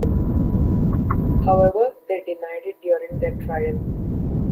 However, they denied it during their trial.